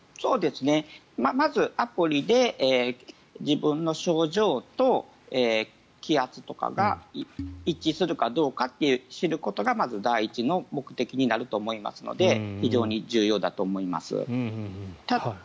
まず、アプリで自分の症状と気圧とかが一致するかどうかを知ることがまず第一の目的になると思いますので非常に重要だと思います。